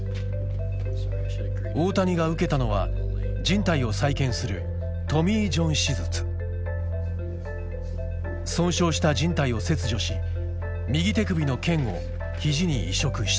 大谷が受けたのはじん帯を再建する損傷したじん帯を切除し右手首の腱を肘に移植した。